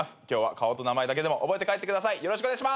今日は顔と名前だけでも覚えて帰ってください。